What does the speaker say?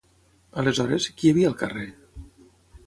Aleshores, qui hi havia al carrer?